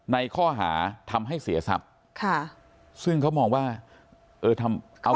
ในข้อหาทำให้เสียศัพท์ซึ่งเขามองว่าเออทำ